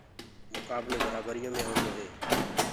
مُڪآبلو برآبريو مي هونٚدو هي